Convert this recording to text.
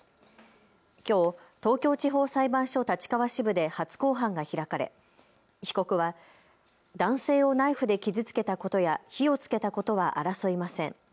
きょう東京地方裁判所立川支部で初公判が開かれ被告は男性をナイフで傷つけたことや火をつけたことは争いません。